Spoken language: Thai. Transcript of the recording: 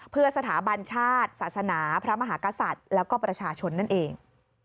เพื่อสถาบันชาติศาสนาพระมหากษัตริย์แล้วก็ประชาชนนั่นเอง